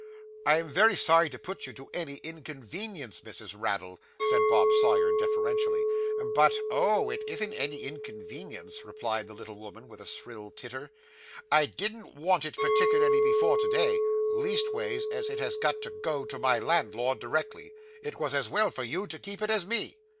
'I am very sorry to put you to any inconvenience, Mrs. Raddle,' said Bob Sawyer deferentially, 'but ' 'Oh, it isn't any inconvenience,' replied the little woman, with a shrill titter. 'I didn't want it particular before to day; leastways, as it has to go to my landlord directly, it was as well for you to keep it as me.